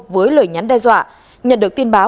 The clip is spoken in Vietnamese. với lời nhắn đe dọa nhận được tin báo